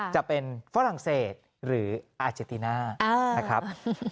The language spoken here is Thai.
ฝรั่งเศสหรืออาเจติน่านะครับ